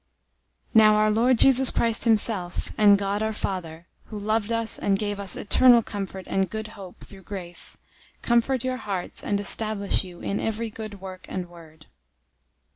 002:016 Now our Lord Jesus Christ himself, and God our Father, who loved us and gave us eternal comfort and good hope through grace, 002:017 comfort your hearts and establish you in every good work and word.